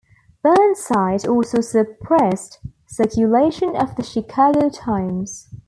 Burnside also suppressed circulation of the "Chicago Times".